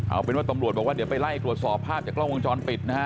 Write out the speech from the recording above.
เอาเป็นว่าตำรวจบอกว่าเดี๋ยวไปไล่ตรวจสอบภาพจากกล้องวงจรปิดนะฮะ